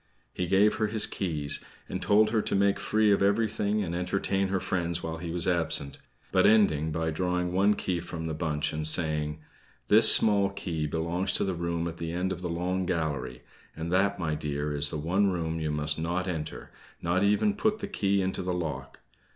He gave her his keys, and told her to make free of everything and entertain her friends while he was absent, but ending by drawing one key from the bunch and saying: "This small key belongs to the room at the end of the long gallery and that, my dear, is the one room you must not enter, nor even put the key into the lock.